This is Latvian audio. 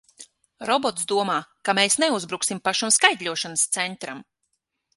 Robots domā, ka mēs neuzbruksim pašam skaitļošanas centram!